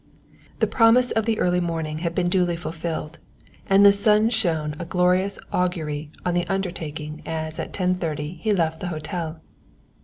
The promise of the early morning had been duly fulfilled, and the sun shone a glorious augury on the undertaking, as at ten thirty he left the hotel.